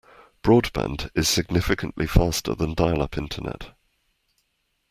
Broadband is significantly faster than dial-up internet.